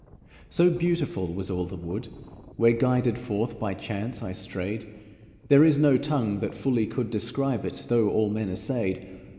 So beautiful was all the wood Where, guided forth by Chance, I strayed, There is no tongue that fully could Describe it, though all men essayed.